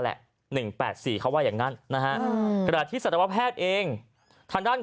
แหละหนึ่งแปดสี่เขาว่าอย่างนั้นนะฮะขณะที่สัตวแพทย์เองทางด้าน